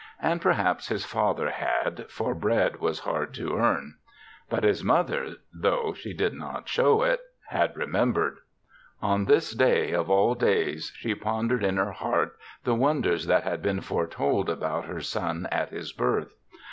And perhaps his father had, for bread was hard to earn. But his mother, though she did not show it, had remembered. On this day, of all days, she pondered in her heart the wonders that had been foretold about her son at his birth.